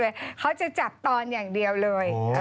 เที่ยวเขาจะจับตอนอย่างเดียวเลย